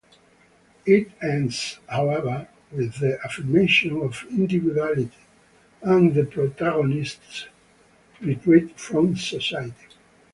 It ends, however, with the affirmation of individuality and the protagonist's retreat from society.